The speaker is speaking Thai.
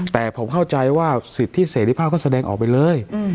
แต่ผมเข้าใจว่าสิทธิเสรีภาพก็แสดงออกไปเลย